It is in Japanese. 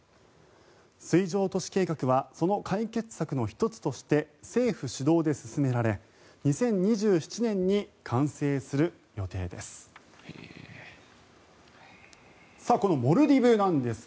水上都市計画はその解決策の１つとして政府主導で進められ２０２７年に完成する予定です。